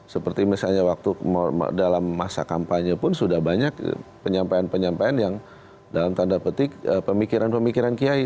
seperti misalnya waktu dalam masa kampanye pun sudah banyak penyampaian penyampaian yang dalam tanda petik pemikiran pemikiran kiai